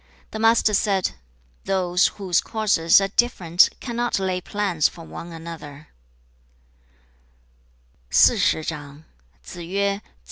The Master said, 'Those whose courses are different cannot lay plans for one another.'